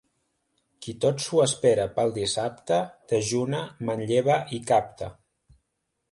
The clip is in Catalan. Qui tot s'ho espera pel dissabte, dejuna, manlleva i capta.